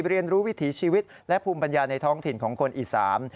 เรียนรู้วิถีชีวิตและภูมิปัญญาในท้องถิ่นของคนอีสาน